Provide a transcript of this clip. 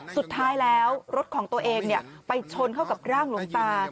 สุดท้ายแล้วรถของตัวเองไปชนเข้ากับร่างหลวงตา